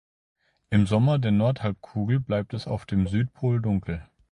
Im Sommer der Nordhalbkugel bleibt es auf dem Südpol dunkel.